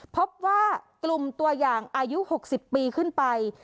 พบว่ากลุ่มตัวอย่างอายุ๖๐ปีขึ้นไป